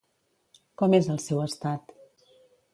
Com és el seu estat?